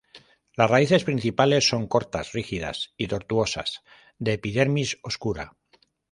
Las raíces principales son cortas, rígidas y tortuosas, de epidermis oscura.